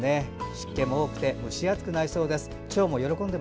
湿度が多くて蒸し暑くなりそうです。